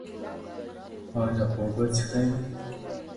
ایا اوبه څښئ؟